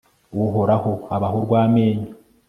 uhoraho abaha urw'amenyo